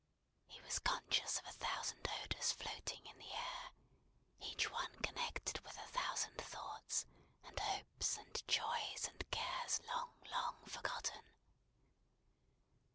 He was conscious of a thousand odours floating in the air, each one connected with a thousand thoughts, and hopes, and joys, and cares long, long, forgotten!